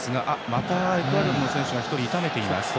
またエクアドルの選手が１人、痛めています。